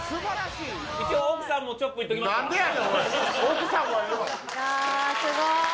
いやすごい。